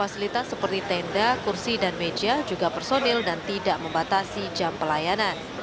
fasilitas seperti tenda kursi dan meja juga personil dan tidak membatasi jam pelayanan